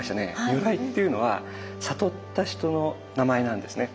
如来っていうのは悟った人の名前なんですね。